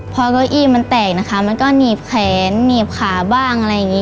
พอเก้าอี้มันแตกนะคะมันก็หนีบแขนหนีบขาบ้างอะไรอย่างนี้